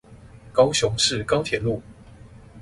高雄市高鐵路